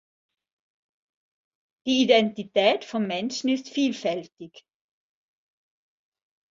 Die Identität von Menschen ist vielfältig.